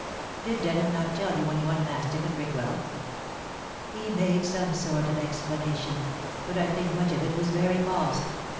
"Did Denham not tell you when you unmasked him at Rickwell?" "He made some sort of explanation, but I think much of it was very false."